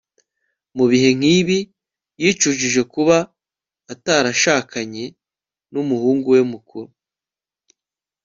mu bihe nk'ibi yicujije kuba atarashakanye n'umuhungu we mukuru